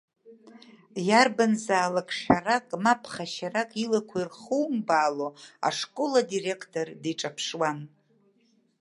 Иарбанзаалак шәарак, ма ԥхашьарак илақәа ирхумбаало, ашкол адиректор диҿаԥшуан.